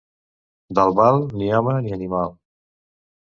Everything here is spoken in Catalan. D'Albal, ni home ni animal.